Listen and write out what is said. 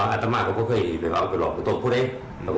อัตมากก็ค่อยเหมือนไงว่าคุณต่อบพูดเอง